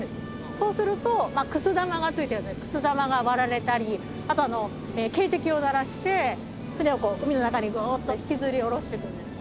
そうするとくす玉がついてるのでくす玉が割られたりあと警笛を鳴らして船を海の中にゴーッと引きずり下ろしていくんです。